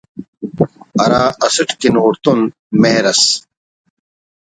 ہرااسٹ کن اوڑتون مہر ئس